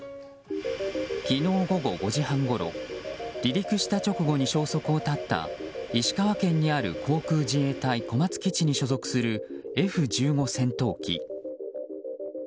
昨日午後５時半ごろ離陸した直後に消息を絶った石川県にある航空自衛隊小松基地に所属するＦ１５戦闘機。